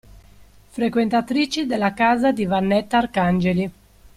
Frequentatrici della casa di Vannetta Arcangeli.